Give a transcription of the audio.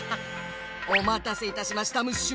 おまたせいたしましたムッシュ。